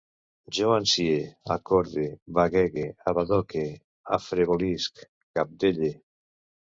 Jo ansie, acorde, baguege, abadoque, afrevolisc, cabdelle